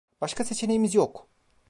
Başka seçeneğimiz yok.